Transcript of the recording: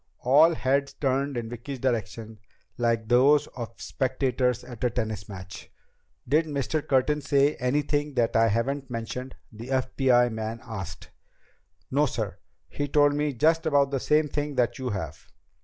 All heads turned in Vicki's direction, like those of spectators at a tennis match. "Did Mr. Curtin say anything that I haven't mentioned?" the FBI man asked. "No, sir. He told me just about the same thing that you have."